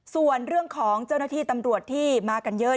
ส่วนเรื่องของเจ้าหน้าที่ตำรวจที่มากันเยอะ